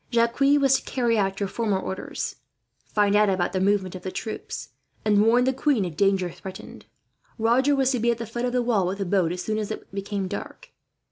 Jacques was to carry out your former orders: find out about the movement of troops, and warn the queen if danger threatened. Roger was to be at the foot of the wall with a boat, as soon as it became dark.